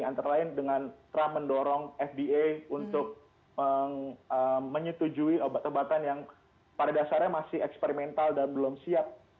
antara lain dengan trump mendorong fda untuk menyetujui obat obatan yang pada dasarnya masih eksperimental dan belum siap